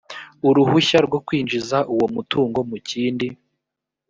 uruhushya rwo kwinjiza uwo mutungo mu kindi